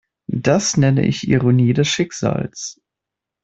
Das nenne ich Ironie des Schicksals.